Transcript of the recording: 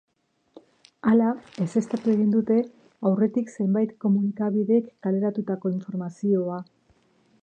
Hala, ezeztatu egin dute aurretik zenbait komunikabidek kaleratutako informazioa.